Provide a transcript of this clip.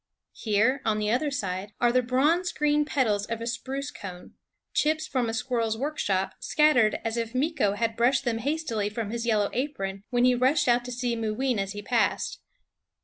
Here, on the other side, are the bronze green petals of a spruce cone, chips from a squir rel's workshop, scattered as if Meeko had brushed them hastily from his yellow apron when he rushed out to see Mooween as he passed.